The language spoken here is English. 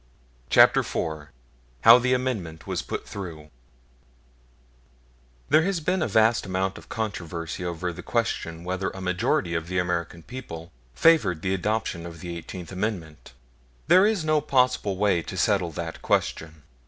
CHAPTER IV HOW THE AMENDMENT WAS PUT THROUGH THERE has been a vast amount of controversy over the question whether a majority of the American people favored the adoption of the Eighteenth Amendment. There is no possible way to settle that question.